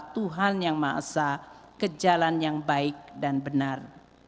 tuhan yang ma asa kejalan yang baik dan benar